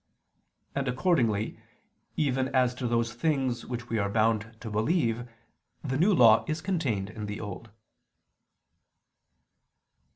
And accordingly, even as to those things which we are bound to believe, the New Law is contained in the Old.